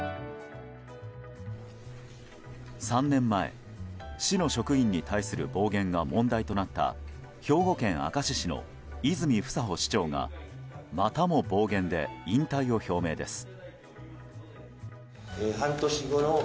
３年前、市の職員に対する暴言が問題となった兵庫県明石市の泉房穂市長がまたも暴言で引退を表明です。